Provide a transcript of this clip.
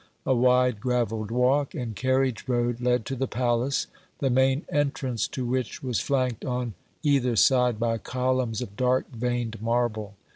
A wide graveled walk and carriage road led to the palace, the main entrance to which was flanked on either side by columns of dark veined marble.